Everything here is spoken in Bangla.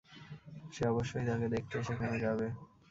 সে অবশ্যই তাকে দেখতে সেখানে যাবে।